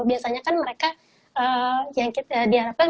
biasanya kan mereka yang diharapkan